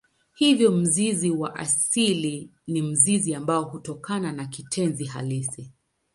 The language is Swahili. Hivyo mzizi wa asili ni mzizi ambao hutokana na kitenzi halisi.